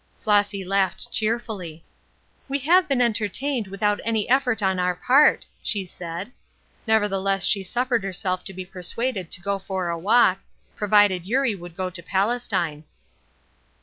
Flossy laughed cheerfully. "We have been entertained, without any effort on our part," she said. Nevertheless she suffered herself to be persuaded to go for a walk, provided Eurie would go to Palestine.